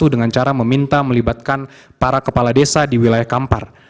dengan cara meminta melibatkan para kepala desa di wilayah kampar